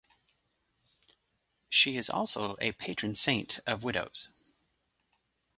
She is also a patron saint of widows.